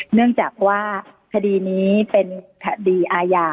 เนื่องจากว่าคดีนี้เป็นคดีอาญา